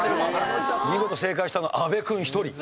見事正解したのは阿部君１人。